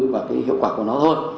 và cái hiệu quả của nó thôi